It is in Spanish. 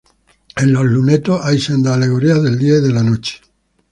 En los lunetos hay sendas alegorías del Día y la Noche.